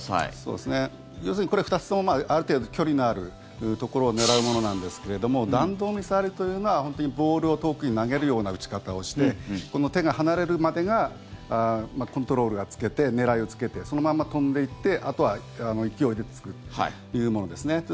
要するに、これ２つともある程度、距離のあるところを狙うものなんですけれども弾道ミサイルというのはボールを遠くに投げるような撃ち方をして、手が離れるまでがコントロールがつけて狙いをつけてそのまま飛んでいってあとは勢いで着くというものですね。